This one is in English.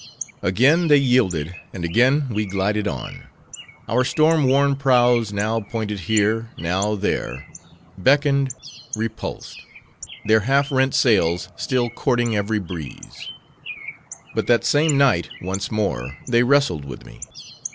Again they yielded; and again we glided on;—our storm worn prows, now pointed here, now there;—beckoned, repulsed;—their half rent sails, still courting every breeze. But that same night, once more, they wrestled with me.